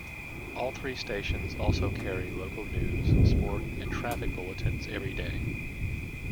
All three stations also carry local news, sport and traffic bulletins every day.